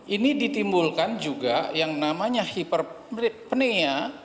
ini ditimbulkan juga yang namanya hiperpnea